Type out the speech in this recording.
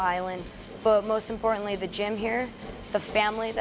tapi paling penting di sini ada gym keluarga yang ada di sini